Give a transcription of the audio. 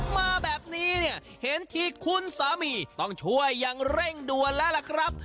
มาแบบนี้เนี่ยเห็นทีคุณสามีต้องช่วยอย่างเร่งด่วนแล้วล่ะครับ